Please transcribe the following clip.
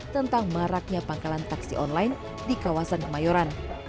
tentang maraknya pangkalan taksi online di kawasan kemayoran